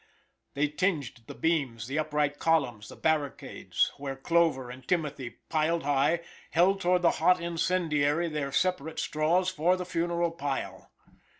They tinged the beams, the upright columns, the barricades, where clover and timothy, piled high, held toward the hot incendiary their separate straws for the funeral pile.